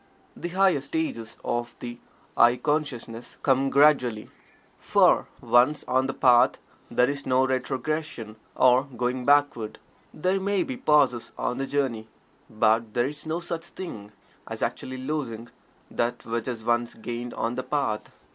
The higher stages of the "I" consciousness come gradually, for once on the Path there is no retrogression or going backward. There may be pauses on the journey, but there is no such thing as actually losing that which is once gained on The Path.